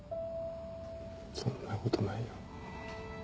そんなことないよ。